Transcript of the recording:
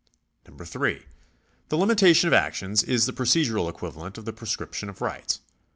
3. The limitation of actions is the procedural equivalent of the prescription of rights.